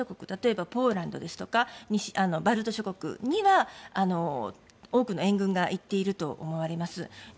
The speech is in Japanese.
例えばポーランドですとかバルト諸国には多くの援軍が行っていると思われます。